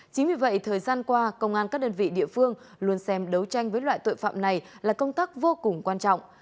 chính vì vậy thời gian qua công an các đơn vị địa phương luôn xem đấu tranh với loại tội phạm này là công tác vô cùng quan trọng